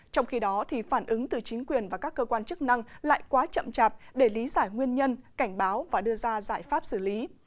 trong khi đó phản ứng từ chính quyền và các cơ quan chức năng lại quá chậm chạp để lý giải nguyên nhân cảnh báo và đưa ra giải pháp xử lý